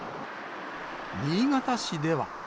新潟市では。